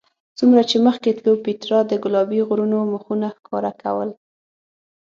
څومره چې مخکې تلو پیترا د ګلابي غرونو مخونه ښکاره کول.